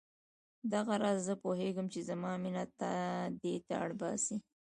دغه راز زه پوهېږم چې زما مینه تا دې ته اړ باسي.